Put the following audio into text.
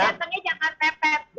datangnya jangan mepet